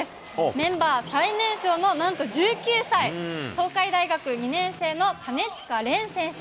メンバー最年少のなんと１９歳、東海大学２年生の金近廉選手。